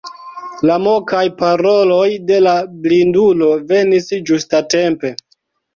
La mokaj paroloj de la blindulo venis ĝustatempe.